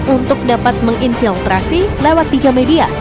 untuk dapat menginfiltrasi lewat tiga media